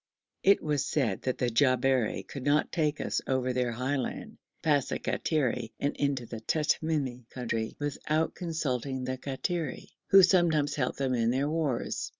It was said that the Jabberi could not take us over their highland, past the Kattiri and into the Tamimi country, without consulting the Kattiri, who sometimes help them in their wars.